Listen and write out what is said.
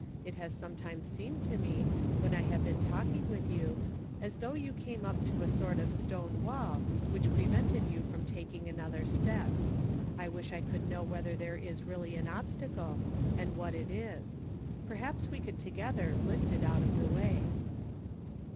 It has sometimes seemed to me, when I have been talking with you, as though you came up to a 396 The Pocket Measure. sort of stone wall, which prevented you from taking another step. I wish I could know whether there is really an obstacle, and what it is. Perhaps we could together lift it out of the way."